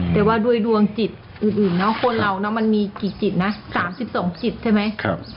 แต่ว่าด้วยดวงจิตอื่นเนาะคนเราเนอะมันมีกี่จิตนะ๓๒จิตใช่ไหม